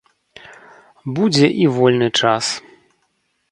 Будзе і вольны час.